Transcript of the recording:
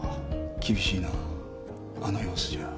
厳しいなあの様子じゃ。